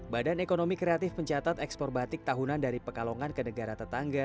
badan ekonomi kreatif mencatat ekspor batik tahunan dari pekalongan ke negara tetangga